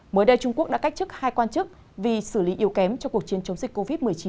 mới đây trung quốc đã cách chức hai quan chức vì xử lý yêu kém cho cuộc chiến chống dịch covid một mươi chín